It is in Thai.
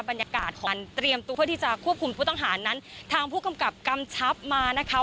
บรรยากาศของเตรียมตัวเพื่อที่จะควบคุมผู้ต้องหานั้นทางผู้กำกับกำชับมานะคะ